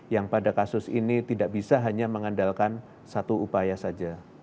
yang pada kasus ini tidak bisa hanya mengandalkan satu upaya saja